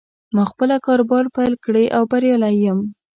ما خپله کاروبار پیل کړې او بریالی یم